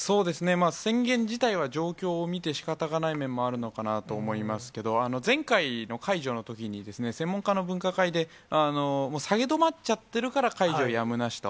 宣言自体は、状況を見てしかたがない面もあるのかなと思いますけど、前回の解除のときに、専門家の分科会で、下げ止まっちゃってるから解除やむなしと。